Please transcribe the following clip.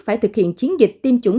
phải thực hiện chiến dịch tiêm chủng